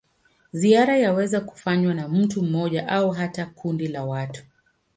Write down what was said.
Ziara yaweza kufanywa na mtu mmoja au hata kundi la watu.